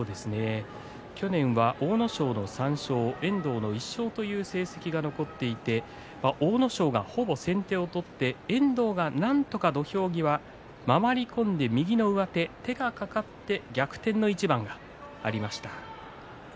去年は阿武咲が３勝遠藤の１勝という成績が残っていて阿武咲がほぼ先手を取って遠藤がなんとか土俵際回り込んで右の上手手が掛かって逆転の一番がありました。